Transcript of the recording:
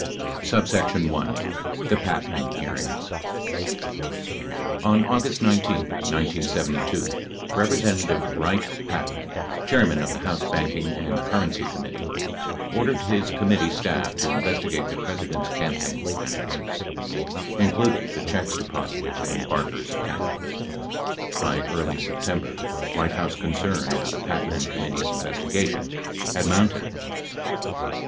1. THE PATMAN HEARINGS On August 19, 1972, Representative Wright Patman, Chairman of the House Banking and Currency Committee, ordered his committee staff to investigate the President's campaign finances, including the checks deposited in Barker's account. By early September, White House concern over the Patman Committee's investigation had mounted.